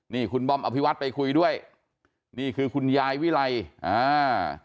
นี่คุณบอมอภิวัตไปคุยด้วยนี่คือคุณยายวิไลอ่า